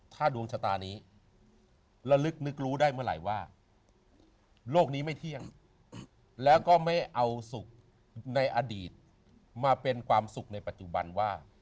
ถ้าดวงชะตานี้ระลึกนึกรู้ได้เมื่อไหร่ว่าโลกนี้ไม่เที่ยงแล้วก็ไม่เอาสุขในอดีตมาเป็นความสุขในปัจจุบันว่า